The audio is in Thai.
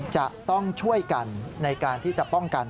จะต้องช่วยกันในการที่จะป้องกัน